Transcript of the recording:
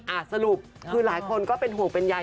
สรุปคือหลายคนก็เป็นห่วงเป็นใย